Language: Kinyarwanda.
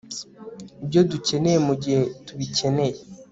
ibyo dukeneye mu gihe tubikeneye